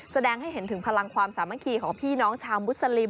แสดงให้เห็นถึงพลังความสามัคคีของพี่น้องชาวมุสลิม